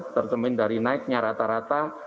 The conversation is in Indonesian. tercemin dari naiknya rata rata